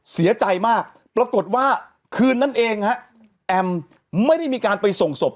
เสียใจมากปรากฏว่าคืนนั้นเองฮะแอมไม่ได้มีการไปส่งศพ